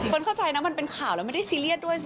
เข้าใจนะมันเป็นข่าวแล้วไม่ได้ซีเรียสด้วย